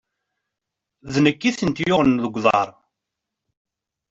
D nekk i tent-yuɣen g uḍaṛ.